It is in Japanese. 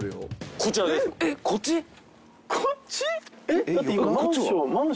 こっち？